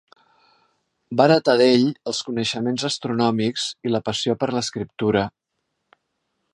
Va heretar d"ell els coneixements astronòmics i la passió per l"escriptura.